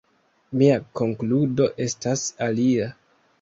Mia konkludo estas alia.